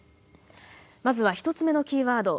まずは１つ目のキーワード